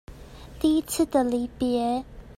第一次的離別